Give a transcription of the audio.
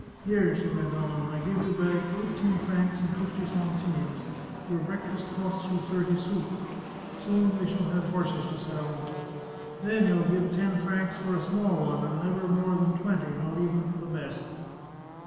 Here," she went on, " I give you back eigh teen francs and fifty centimes ; your breakfast costs you thirty sous. Soon we shall have horses to sell. Then you'll give 37 The Chartreuse of Parma ten francs for a small one, and never more than twenty, not even for the best